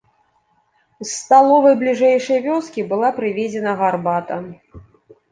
З сталовай бліжэйшай вёскі была прывезена гарбата.